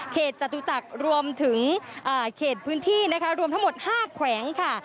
จตุจักรรวมถึงเขตพื้นที่นะคะรวมทั้งหมด๕แขวงค่ะ